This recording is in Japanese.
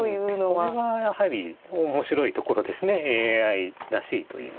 うんこれはやはり面白いところですねＡＩらしいといいますか。